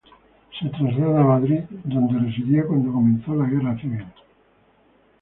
Se traslada a Madrid, donde residía cuando comenzó la Guerra Civil.